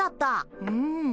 うん。